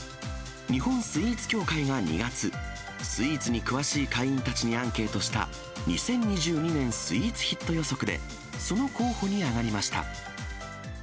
日本スイーツ協会が２月、スイーツに詳しい会員たちにアンケートした２０２２年スイーツヒット予測で、その候補に挙がりました。